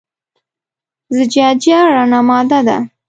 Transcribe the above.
زجاجیه رڼه ماده ده.